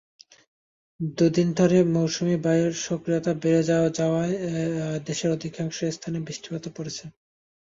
দুদিন ধরে মৌসুমি বায়ুর সক্রিয়তা বেড়ে যাওয়ায় দেশের অধিকাংশ স্থানে বৃষ্টিপাতও বেড়েছে।